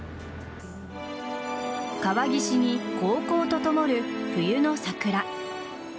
川岸に、こうこうと灯る冬の桜。